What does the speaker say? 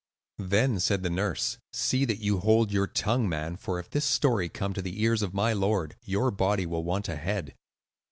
Then said the nurse, "See that you hold your tongue, man, for if this story come to the ears of my lord, your body will want a head."